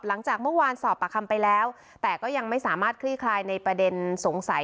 หลังจากเมื่อวานสอบปากคำไปแล้วแต่ก็ยังไม่สามารถคลี่คลายในประเด็นสงสัย